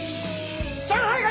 上海